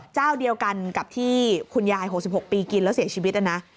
เจ้าเดียวกันกับที่คุณยาย๖๖ปีกินแล้วเสียชีวิตนะนะ